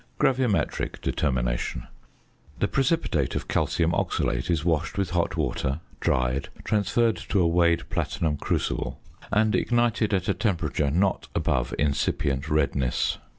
GRAVIMETRIC DETERMINATION. The precipitate of calcium oxalate is washed with hot water, dried, transferred to a weighed platinum crucible, and ignited at a temperature not above incipient redness.